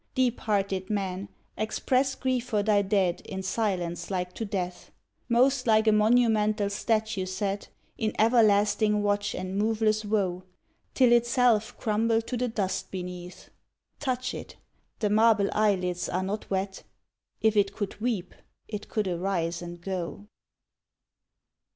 Deep hearted man, express Grief for thy Dead in silence like to death; Most like a monumental statue set In everlasting watch and moveless woe, Till itself crumble to the dust beneath. Touch it: the marble eyelids are not wet If it could weep, it could arise and go.